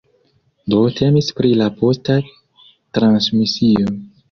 Do temis pri la posta transmisio.